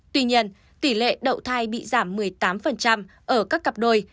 tuy nhiên tỷ lệ đậu thai bị giảm một mươi tám ở các cặp đôi